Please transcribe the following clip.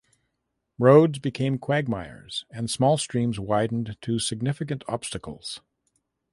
Roads became quagmires and small streams widened to significant obstacles.